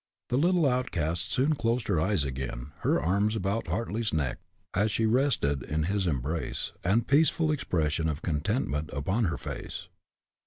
The little outcast soon closed her eyes again, her arms about Hartly's neck, as she rested in his embrace, and a peaceful expression of contentment upon her face.